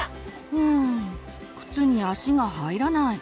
うん靴に足が入らない。